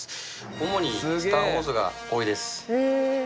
主に「スター・ウォーズ」が多いです。